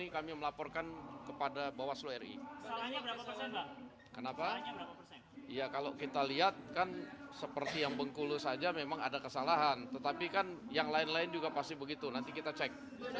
kalau kita lihat kan seperti yang bengkulu saja memang ada kesalahan tetapi kan yang lain lain juga pasti begitu nanti kita cek